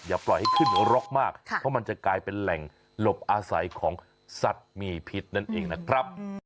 ปล่อยให้ขึ้นรกมากเพราะมันจะกลายเป็นแหล่งหลบอาศัยของสัตว์มีพิษนั่นเองนะครับ